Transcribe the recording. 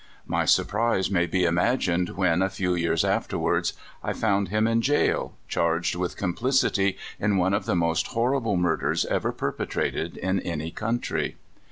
My surprise may be imagined when, a few 3^ears afterwards, I found him in jail charged with complicity in one of the most horrible mur ders ever perpetrated in any country.